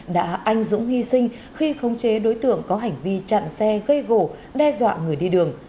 đã anh dũng hy sinh khi khống chế đối tượng có hành vi chặn xe gây gổ đe dọa người đi đường